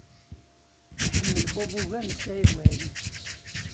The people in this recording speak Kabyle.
Iḥemmel Bob ugar n Saɛid Waɛli.